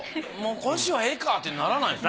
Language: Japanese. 今週はええかってならないんですか？